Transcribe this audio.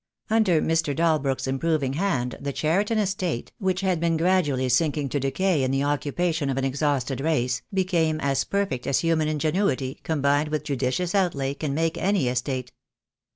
Under Mr. Dalbrook's improving hand the Cheriton estate, which had been gradually sinking to decay in the oc cupation of an exhausted race, became as perfect as human ingenuity, combined with judicious outlay, can make any estate.